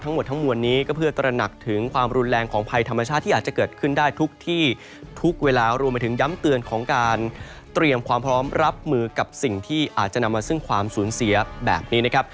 ทั้งหมดทั้งมวลนี้ก็เพื่อตระหนักถึงความรุนแรงของภัยธรรมชาติที่อาจจะเกิดขึ้นได้ทุกที่ทุกเวลารวมไปถึงย้ำเตือนของการเตรียมความพร้อมรับมือกับสิ่งที่อาจจะนำมาซึ่งความสูญเสียแบบนี้นะครับ